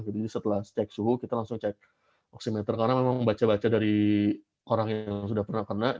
jadi setelah cek suhu kita langsung cek oximeter karena memang membaca baca dari orang yang sudah pernah kena